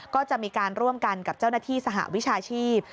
ก็จะมีการร่วมกันกับเจ้าหน้าที่สหวิชาชีพ